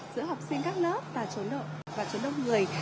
giữa học sinh các lớp và trốn đông người